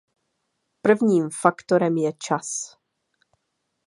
Prvním faktorem je čas.